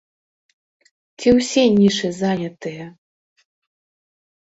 Ці ўсе нішы занятыя?